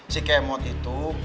si kemur itu